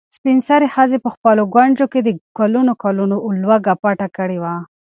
سپین سرې ښځې په خپلو ګونځو کې د کلونو کلونو لوږه پټه کړې وه.